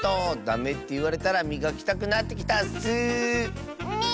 ダメっていわれたらみがきたくなってきたッス。ね。